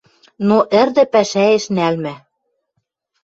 Но ӹрдӹ пӓшӓэш нӓлмӹ